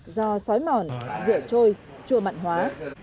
do sói mòn rượu trôi chua mặn hóa